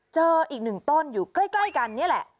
เจออีกหนึ่งต้นอยู่ใกล้กันนี่แหละ